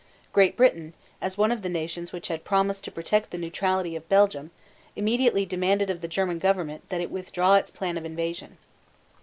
Great Britain, as one of the nations which had promised to protect the neutrality of Belgium, immediately demanded of the German government that it withdraw its plan of invasion.